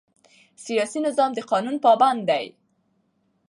سیاسي نظام د قانون پابند دی